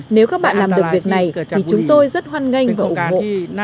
nếu các bạn làm được việc này thì chúng tôi rất hoan nghênh và ủng hộ